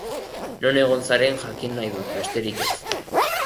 Non egon zaren jakin nahi dut, besterik ez.